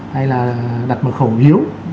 hay là đặt mật khẩu hiếu